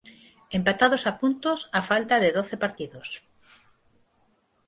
Empatados a puntos á falta de doce partidos.